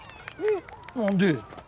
何で？